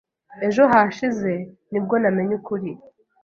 Ejo hashize nibwo namenye ukuri.